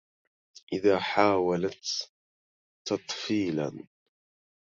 إذا حاولت تطفيلا